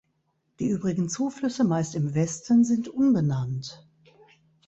Die übrigen Zuflüsse, meist im Westen, sind unbenannt.